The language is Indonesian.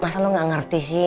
masa lo gak ngerti sih